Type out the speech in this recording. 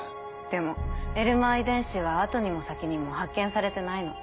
でもエルマー遺伝子は後にも先にも発見されてないの。